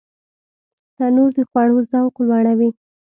تنور د خوړو ذوق لوړوي